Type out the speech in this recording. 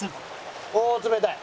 おおー冷たい！